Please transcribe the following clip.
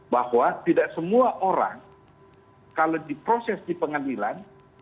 bahwa tidak semua orang kalau diproses di pengadilan